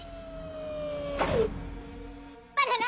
バナナ！